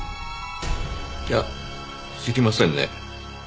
いや知りませんね。